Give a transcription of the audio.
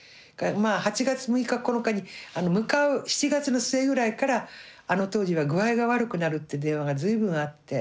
８月６日９日に向かう７月の末ぐらいからあの当時は具合が悪くなるって電話が随分あって。